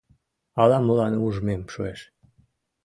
Ала-молан ужмем шуэш